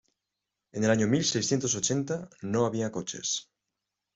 En el año mil seiscientos ochenta no había coches.